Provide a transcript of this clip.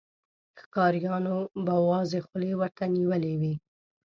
ښکاريانو به وازې خولې ورته نيولې وې.